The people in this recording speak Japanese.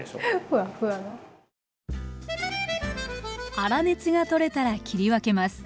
粗熱が取れたら切り分けます。